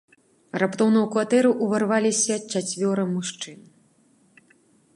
Раптоўна ў кватэру ўварваліся чацвёра мужчын.